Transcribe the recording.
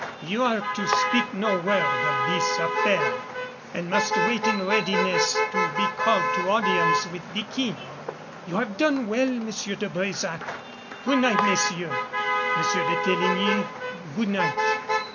You are to speak no word of this affair, but must wait in readiness to be called to audience with the King. You have done well, Monsieur de Brésac. Good night, messieurs! Monsieur de Teligny, good night."